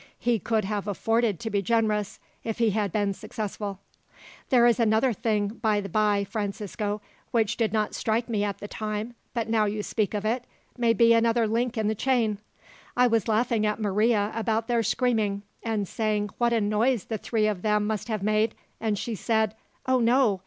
He could have afforded to be generous, if he had been successful." "There is another thing, by the bye, Francisco, which did not strike me at the time; but now you speak of it, may be another link in the chain. I was laughing at Maria about their screaming, and saying what a noise the three of them must have made, and she said, 'Oh, no!